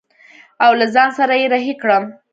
او له ځان سره يې رهي کړم.